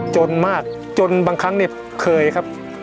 จนมากจนบางครั้งนิดครับ